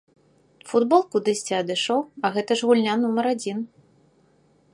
Футбол кудысьці адышоў, а гэта ж гульня нумар адзін.